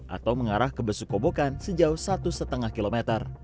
atau mengarah ke besuk kobokan sejauh satu lima km